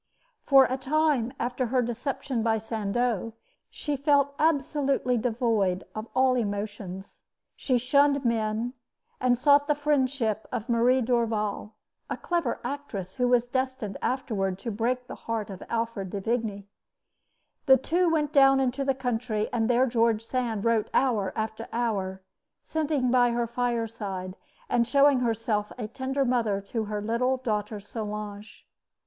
For a time after her deception by Sandeau, she felt absolutely devoid of all emotions. She shunned men, and sought the friendship of Marie Dorval, a clever actress who was destined afterward to break the heart of Alfred de Vigny. The two went down into the country; and there George Sand wrote hour after hour, sitting by her fireside, and showing herself a tender mother to her little daughter Solange.